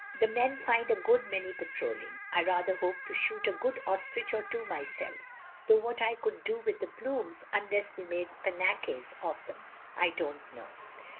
The men find a good many patrolling. I rather hope to shoot a good ostrich or two myself y though what I could do with the plumes unless we made panaches of them, I don't know!